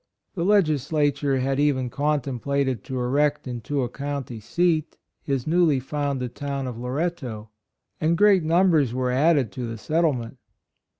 The Lesris lature had even contemplated to erect into a county seat his newly founded town of Loretto, and great numbers were added to the settle ment."